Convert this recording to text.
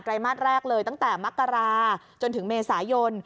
ไกลมาตรแรกเลยตั้งแต่มักการาจนถึงเมษายน